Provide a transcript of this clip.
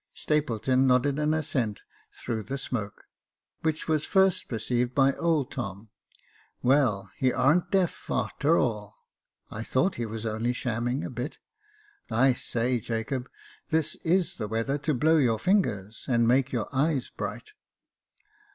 Stapleton nodded an assent through the smoke, which was first perceived by old Tom. " Well, he ar'n't deaf, a'ter all ; I thought he was only shamming a bit. I say, Jacob, this is the weather to blow your fingers, and make your eyes bright."